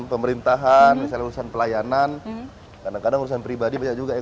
pemerintahan misalnya urusan pelayanan kadang kadang urusan pribadi banyak juga yang